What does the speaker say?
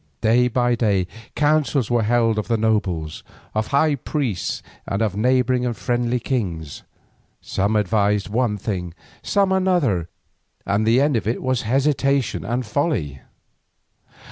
Day by day councils were held of the nobles, of high priests, and of neighbouring and friendly kings. Some advised one thing, some another, and the end of it was hesitation and folly.